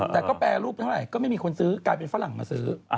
แต่ก็แปรรูปเท่าไหร่ก็ไม่มีคนซื้อกลายเป็นฝรั่งมาซื้อ